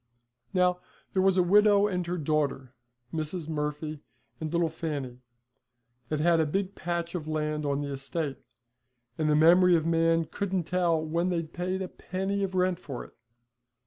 Now there was a widow and her daughter, Mrs. Murphy and little Fanny, that had a big patch of land on the estate, and the memory of man couldn't tell when they'd paid a penny of rent for it.